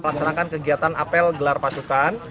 melaksanakan kegiatan apel gelar pasukan